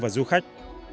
và du khách